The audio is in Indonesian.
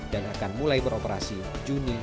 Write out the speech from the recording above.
dan akan mulai beroperasi juni dua ribu delapan belas